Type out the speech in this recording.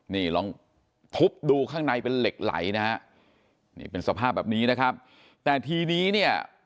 นี่ลองทุบดูข้างในเป็นเหล็กไหลนะฮะนี่เป็นสภาพแบบนี้นะครับแต่ทีนี้เนี่ย